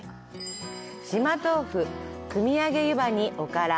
島とうふ、くみあげ湯葉に、おから。